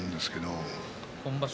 今場所